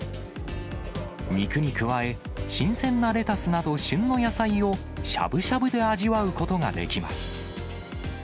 肉に加え、新鮮なレタスなど、旬の野菜を、しゃぶしゃぶで味わうことができます。